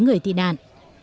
người tị nạn